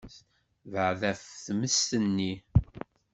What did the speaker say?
Beɛɛed ɣef tmes-nni.